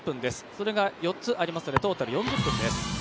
それが４つありますので、トータル４０分です。